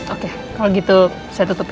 oke kalau gitu saya tutup ya